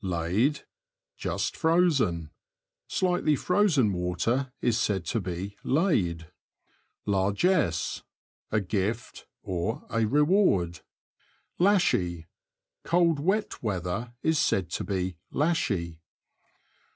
Laid. — Just frozen. Slightly frozen water is said to be 'Maid." Largesse. — A gift, a reward. Lashy. — Cold wet weather is said to be ''lashy."